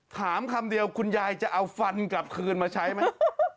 คำเดียวคุณยายจะเอาฟันกลับคืนมาใช้ไหม